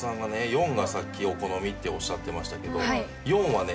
４がさっきお好みっておっしゃってましたけど４はね